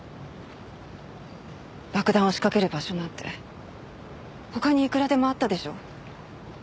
爆弾を仕掛ける場所なんて他にいくらでもあったでしょ？